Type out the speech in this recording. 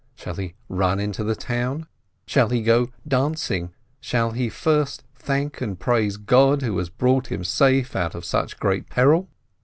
Shall he run into the town? Shall he go dancing? Shall he first thank and praise God who has brought him safe out of such great peril